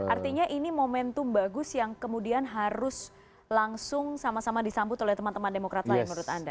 artinya ini momentum bagus yang kemudian harus langsung sama sama disambut oleh teman teman demokrat lain menurut anda